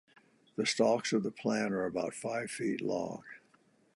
The stalks of the plant are about five feet long.